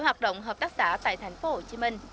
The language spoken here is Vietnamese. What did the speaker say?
hoạt động hợp tác xã tại thành phố hồ chí minh